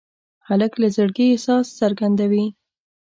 هلک له زړګي احساس څرګندوي.